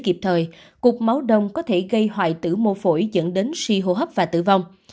kịp thời cục máu đông có thể gây hoại tử mô phổi dẫn đến suy hô hấp và tử vong